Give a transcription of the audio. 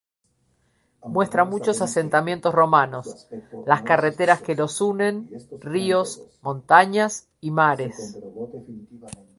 Muestra muchos asentamientos romanos, las carreteras que los unen, ríos, montañas y mares.